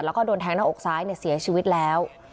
แล้วก็โดนแทงหน้าอกซ้ายเสียชีวิตแล้ว